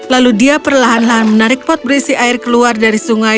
lalu dia perlahan lahan menarik pot berisi air keluar dari sungai